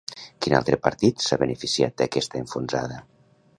Quin altre partit s'ha beneficiat d'aquesta enfonsada?